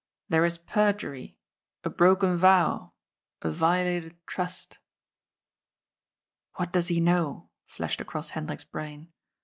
" There is perjury — a broken vow — a violated trust." " What does he know ?" flashed across Hendrik's brain.